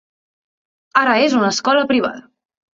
Ara és una escola privada.